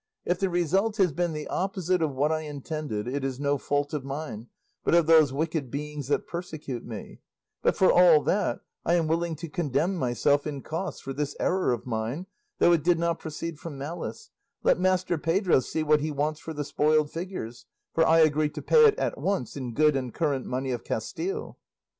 If the result has been the opposite of what I intended, it is no fault of mine, but of those wicked beings that persecute me; but, for all that, I am willing to condemn myself in costs for this error of mine, though it did not proceed from malice; let Master Pedro see what he wants for the spoiled figures, for I agree to pay it at once in good and current money of Castile."